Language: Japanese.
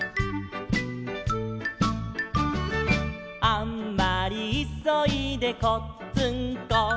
「あんまりいそいでこっつんこ」